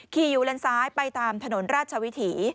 ขี่อยู่เลนซ้ายไปตามถนนราชวิถี